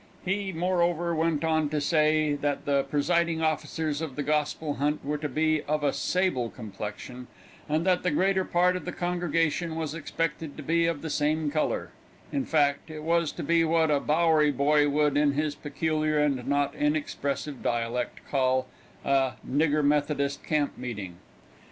He, moreover, went on to say, that the presiding officers of the gospel hunt were to be of a sable complexion, and that the greater part of the congregation was expected to be of the same color in fact, it was to be what a Bowery boy would, in his peculiar, but not inexpressive dialect, call a "Nigger Methodist Camp Meeting."